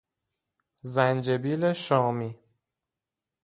زنجیل شامی